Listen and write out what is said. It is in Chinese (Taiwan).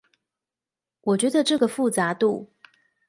我覺得這個複雜度